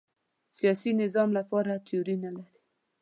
سیاسي نظام لپاره تیوري نه لري